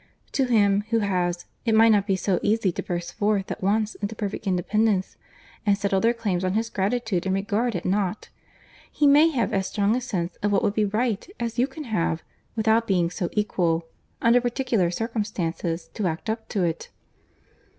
To him who has, it might not be so easy to burst forth at once into perfect independence, and set all their claims on his gratitude and regard at nought. He may have as strong a sense of what would be right, as you can have, without being so equal, under particular circumstances, to act up to it."